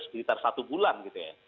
sekitar satu bulan gitu ya